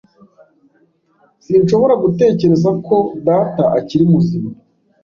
Sinshobora gutekereza ko Data akiri muzima.